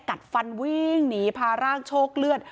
กัดฟันวิ่งหนีพาร่างโชคเลือด